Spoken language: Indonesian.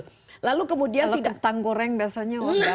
kalau kutang goreng biasanya warna garamnya